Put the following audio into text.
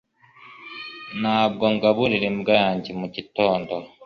Ntabwo ngaburira imbwa yanjye mugitondo